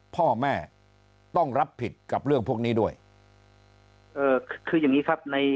พ่อแม่ต้องรับผิดกับเรื่องพวกนี้ด้วยเอ่อคืออย่างงี้ครับใน